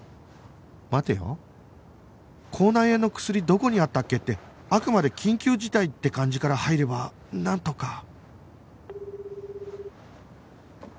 待てよ「口内炎の薬どこにあったっけ？」ってあくまで緊急事態って感じから入ればなんとか